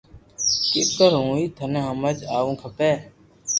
ڪيڪر ھون ئي ٿني ھمج آوي کپي